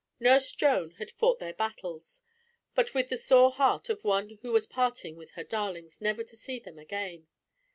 Nurse Joan had fought their battles, but with the sore heart of one who was parting with her darlings never to see them again.